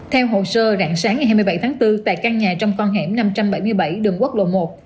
theo hồ sơ rạng sáng ngày hai mươi bảy tháng bốn tại căn nhà trong con hẻm năm trăm bảy mươi bảy đường quốc lộ một